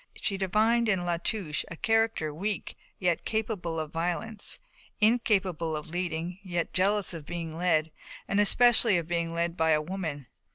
She divined in La Touche a character weak yet capable of violence, incapable of leading yet jealous of being led, and especially of being led by a woman.